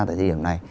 tại thời điểm này